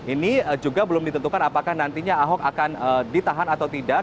ini juga belum ditentukan apakah nantinya ahok akan ditahan atau tidak